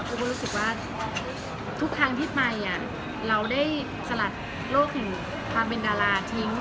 รู้สึกว่าทุกครั้งที่ไปเราได้สลัดโลกแห่งความเป็นดาราทิ้ง